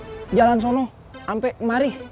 jalan jalan sono ampe mari